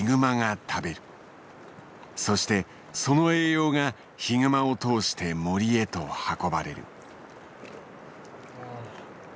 そしてその栄養がヒグマを通して森へと運ばれる。